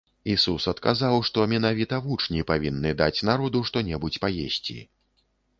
Ісус адказаў, што менавіта вучні павінны даць народу што-небудзь паесці.